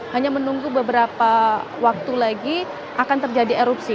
hanya menunggu beberapa waktu lagi akan terjadi erupsi